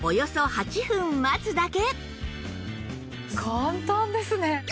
簡単ですね。